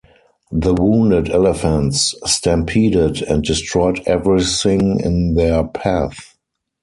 The wounded elephants stampeded and destroyed everything in their path.